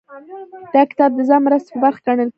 دا کتاب د ځان مرستې په برخه کې ګڼل کیږي.